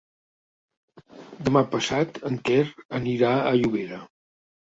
Demà passat en Quer anirà a Llobera.